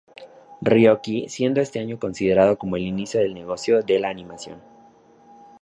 Ryo-Ōki", siendo este año considerado como el inicio del negocio de la animación.